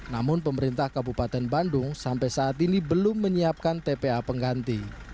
namun pemerintah kabupaten bandung sampai saat ini belum menyiapkan tpa pengganti